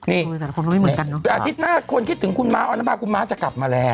นี่อาทิตย์หน้าควรคิดถึงคุณม้าอรรณภาคคุณม้าจะกลับมาแล้ว